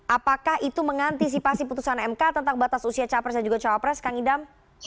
apakah itu mengantisipasi putusan mk tentang batas usia capres dan juga cawapres kang idam